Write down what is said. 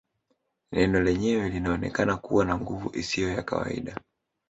Neno lenyewe linaonekana kuwa na nguvu isiyo ya kawaida